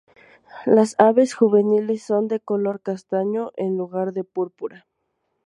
Las aves juveniles son de color castaño en lugar de púrpura.